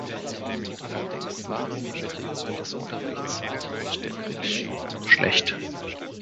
Allerdings waren die Bedingungen des Unterrichts aufgrund der Kriegsschäden noch schlecht.